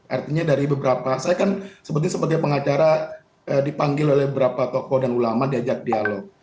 artinya dari beberapa saya kan seperti pengacara dipanggil oleh beberapa tokoh dan ulama diajak dialog